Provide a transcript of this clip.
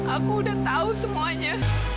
aku sudah tahu semuanya